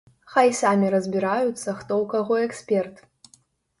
Хай самі разбіраюцца, хто ў каго эксперт.